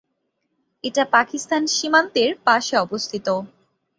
এটা পাকিস্তান সীমান্তের পাশে অবস্থিত।